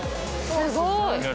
すごい。